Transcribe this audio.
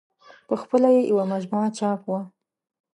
په خپله یې یوه مجموعه چاپ وه.